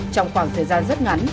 trong khoảng thời gian rất ngắn